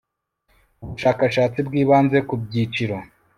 ubushakashatsi bwibanze ku byiciro